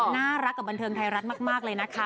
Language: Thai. น่ารักกับบันเทิงไทยรัฐมากเลยนะคะ